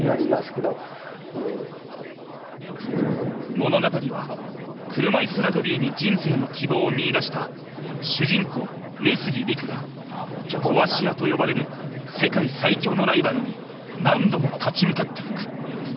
物語は車いすラグビーに人生の希望を見いだした主人公上杉陸が壊し屋と呼ばれる世界最強のライバルに何度も立ち向かっていく。